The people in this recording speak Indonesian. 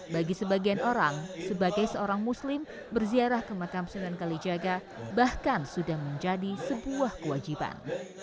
bagi sebagian orang sebagai seorang muslim berziarah ke makam sunan kalijaga bahkan sudah menjadi sebuah kewajiban